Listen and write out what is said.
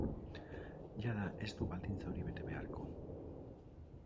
Jada ez du baldintza hori bete beharko.